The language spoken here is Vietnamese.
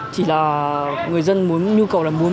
chỉ là người dân muốn nhu cầu là muốn